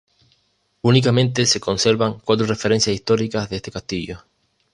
Únicamente se conservan cuatro referencias históricas de este castillo.